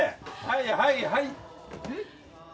はいはいはい！